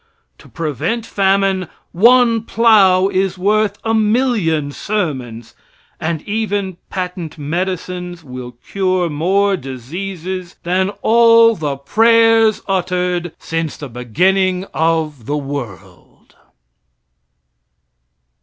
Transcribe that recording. To prevent famine one plow is worth a million sermons, and even patent medicines will cure more diseases than all the prayers uttered since the beginning of the world.